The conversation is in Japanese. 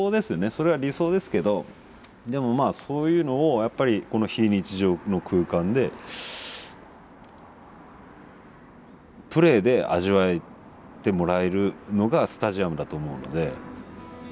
それは理想ですけどでもまあそういうのをやっぱりこの非日常の空間でプレーで味わってもらえるのがスタジアムだと思うので。